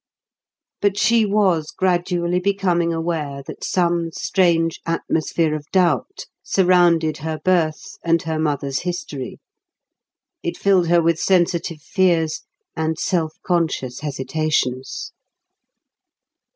But she was gradually becoming aware that some strange atmosphere of doubt surrounded her birth and her mother's history. It filled her with sensitive fears and self conscious hesitations.